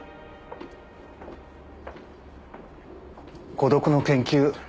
『孤独の研究』